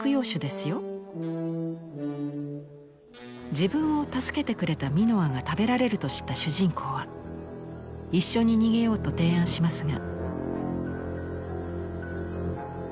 自分を助けてくれたミノアが食べられると知った主人公は「一緒に逃げよう」と提案しますが。